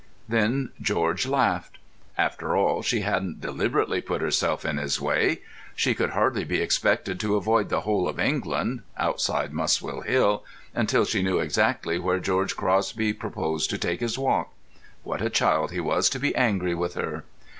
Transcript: Then George laughed. After all, she hadn't deliberately put herself in his way. She could hardly be expected to avoid the whole of England (outside Muswell Hill) until she knew exactly where George Crosby proposed to take his walk. What a child he was to be angry with her.